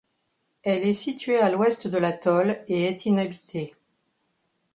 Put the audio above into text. Elle est située à l'ouest de l'atoll et est inhabitée.